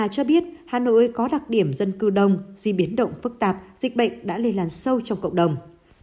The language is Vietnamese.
cho biết hà nội có đặc điểm dân cư đông vì biến động phức tạp dịch bệnh đã lây lan sâu trong cộng đồng